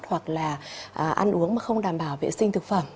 hoặc là ăn uống mà không đảm bảo vệ sinh thực phẩm